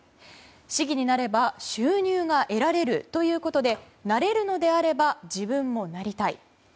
市議になれば収入が得られるということでなれるのであれば自分もなりたい。